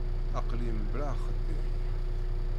Aql-iyi mebla axeddim.